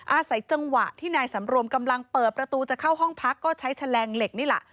อาศัยจังหวะที่นายสำรวมกำลังเปิดประตูจะเข้าห้องพักก็ใช้แฉลงเหล็กนี่แหละ